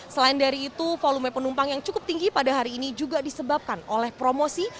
selain dari itu volume penumpang yang cukup tinggi pada hari ini juga disebabkan oleh promosi